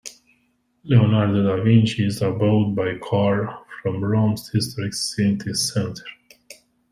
Leonardo da Vinci is about by car from Rome's historic city centre.